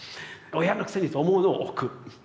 「親のくせに」と思うのを置く。